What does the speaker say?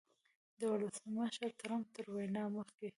د ولسمشر ټرمپ تر وینا مخکې